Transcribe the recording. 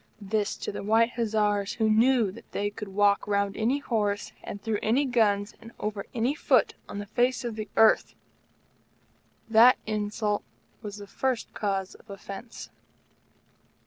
This to the White Hussars, who knew they could walk round any Horse and through any Guns, and over any Foot on the face of the earth! That insult was the first cause of offence.